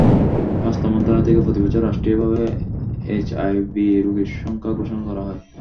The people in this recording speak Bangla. স্বাস্থ্য মন্ত্রণালয় থেকে প্রতিবছর রাষ্ট্রীয়ভাবে এইচআইভি রোগীর সংখ্যা ঘোষণা করা হয়।